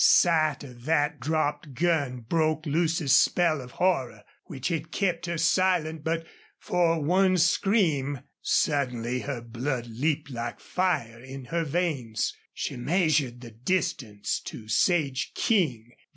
Sight of that dropped gun broke Lucy's spell of horror, which had kept her silent but for one scream. Suddenly her blood leaped like fire in her veins. She measured the distance to Sage King.